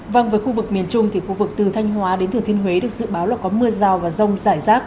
vâng với khu vực miền trung thì khu vực từ thanh hóa đến thừa thiên huế được dự báo là có mưa rào và rông rải rác